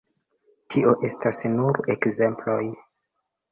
Tio estas nur ekzemploj.